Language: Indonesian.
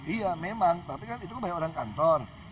iya memang tapi kan itu kan banyak orang kantor